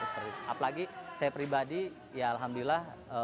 apalagi saya pribadi ya alhamdulillah